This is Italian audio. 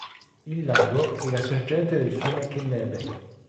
Il lago è la sorgente del fiume Kennebec.